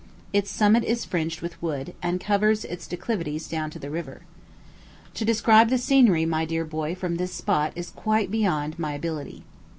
Its summit is fringed with wood, and covers its declivities down to the river. To describe the scenery, my dear boy, from this spot, is quite beyond my ability.